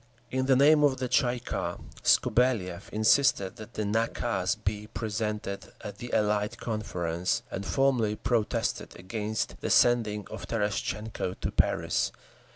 In the name of the Tsay ee kah, Skobeliev insisted that the nakaz be presented at the Allied Conference, and formally protested against the sending of Terestchenko to Paris.